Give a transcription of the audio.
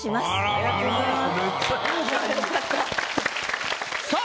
ありがとうございます。